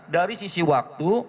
dari sisi waktu